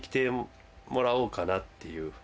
もらおうかなっていう。